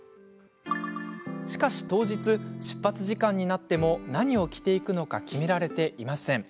しかし当日、出発時間になっても何を着ていくのか決められていません。